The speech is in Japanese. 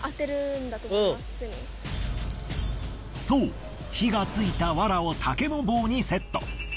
そう火が付いたワラを竹の棒にセット。